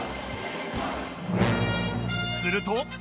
すると